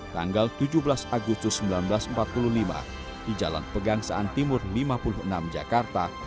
tanggal tujuh belas agustus seribu sembilan ratus empat puluh lima di jalan pegangsaan timur lima puluh enam jakarta